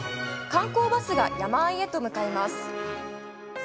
観光バスが山あいへと向かいます。